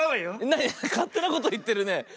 なになにかってなこといってるね。